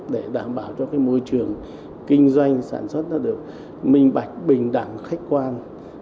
để đảm bảo cho môi trường kinh doanh sản xuất được minh bạch bình đẳng khách quan